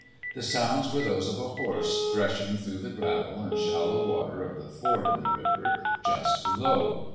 The sounds were those of a horse threshing through the gravel and shallow water of the ford in the river just below.